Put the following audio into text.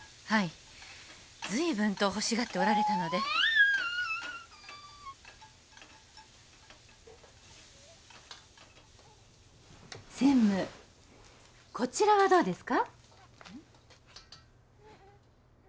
はい随分と欲しがっておられたので専務こちらはどうですか？